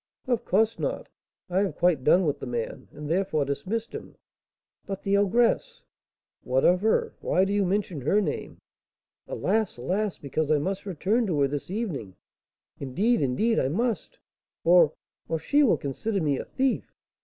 "Of course not; I have quite done with the man, and therefore dismissed him." "But the ogress!" "What of her? Why do you mention her name?" "Alas! alas! because I must return to her this evening; indeed, indeed, I must, or or she will consider me a thief.